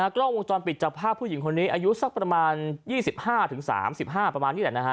กล้องวงจรปิดจับภาพผู้หญิงคนนี้อายุสักประมาณ๒๕๓๕ประมาณนี้แหละนะฮะ